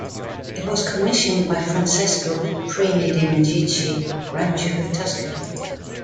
It was commissioned by Francesco I de' Medici, Grand Duke of Tuscany.